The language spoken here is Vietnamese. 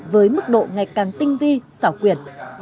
với mức độ ngày càng tinh vi xảo quyệt